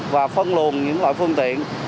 và phân luận những loại phương tiện